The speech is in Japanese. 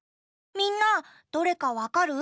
みんなどれかわかる？